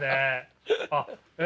あっえ